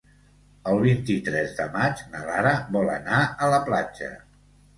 El vint-i-tres de maig na Lara vol anar a la platja.